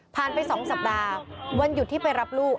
ไป๒สัปดาห์วันหยุดที่ไปรับลูก